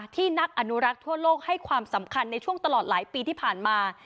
นักอนุรักษ์ทั่วโลกให้ความสำคัญในช่วงตลอดหลายปีที่ผ่านมา